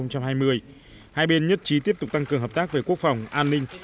hai bên nhất trí tiếp tục tăng cường hợp tác về quốc phòng an ninh